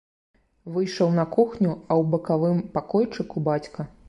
Выйшаў на кухню, а ў бакавым пакойчыку бацька.